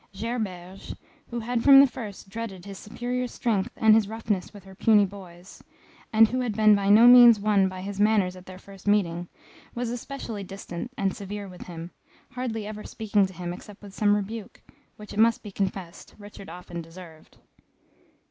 Gerberge, who had from the first dreaded his superior strength and his roughness with her puny boys, and who had been by no means won by his manners at their first meeting, was especially distant and severe with him, hardly ever speaking to him except with some rebuke, which, it must be confessed, Richard often deserved.